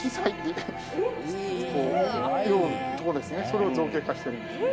それを造形化してるんですね。